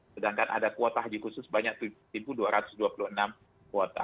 sedangkan ada kuota haji khusus sebanyak rp satu dua ratus dua puluh enam